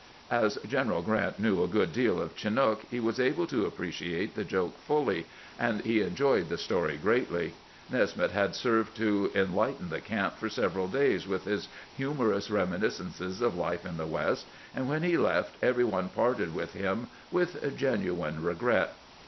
As General Grraut knew a good deal of Chinook, he was able to appreciate the joke fully, and he enjoyed the story greatly. Nesmith had served to enliven the camp for several days with his humorous reminiscences of life in the West, and when he left every one parted with him with genuine regret.